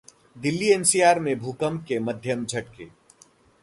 दिल्ली-एनसीआर में भूकंप के मध्यम झटके